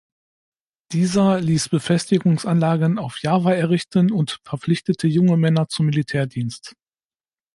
Dieser ließ Befestigungsanlagen auf Java errichten und verpflichtete junge Männer zum Militärdienst.